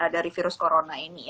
dari virus corona ini